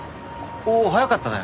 おお早かったね。